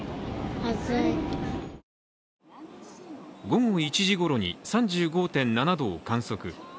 午後１時ごろに、３５．７度を観測。